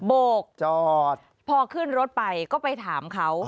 โบกจอดพอขึ้นรถไปก็ไปถามเขา